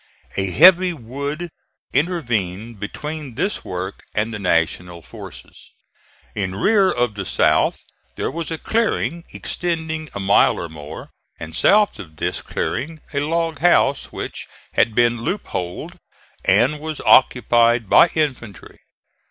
A heavy wood intervened between this work and the National forces. In rear to the south there was a clearing extending a mile or more, and south of this clearing a log house which had been loop holed and was occupied by infantry.